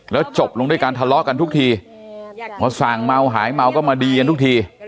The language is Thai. แล้วจบลงด้วยการทะเลาะกันทุกทีพอสั่งเมาหายเมาก็มาดีกันทุกที